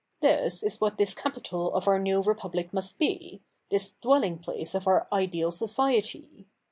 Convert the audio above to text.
This is what this capital of our new Republic must be, this dwelling place of our ideal society.